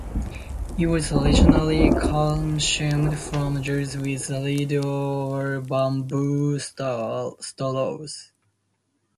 It was traditionally consumed from jars with reed or bamboo straws.